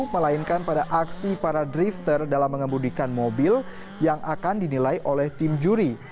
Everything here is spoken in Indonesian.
melainkan pada aksi para drifter dalam mengembudikan mobil yang akan dinilai oleh tim juri